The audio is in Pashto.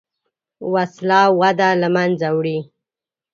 وسله وده له منځه وړي